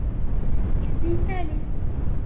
اسمي سالي.